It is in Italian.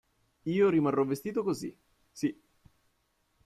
Io rimarrò vestito così, sì.